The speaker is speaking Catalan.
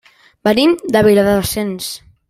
Venim de Viladasens.